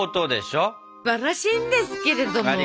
すっばらしいんですけれども。